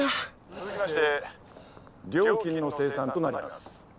続きまして料金の精算となります。